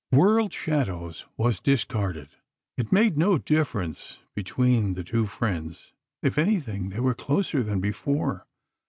"World Shadows" was discarded. It made no difference between the two friends. If anything, they were closer than before.